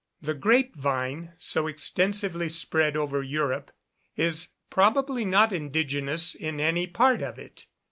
The grape vine, so extensively spread over Europe, is probably not indigenous in any part of it.